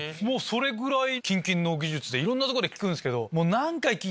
それぐらい近々の技術でいろんなとこで聞くんすけど。